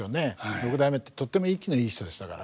六代目ってとってもイキのいい人でしたから。